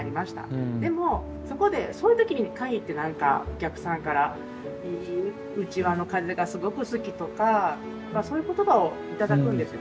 でもそこでそういう時に限って何かお客さんから「いいうちわの風がすごく好き」とかそういう言葉を頂くんですよ。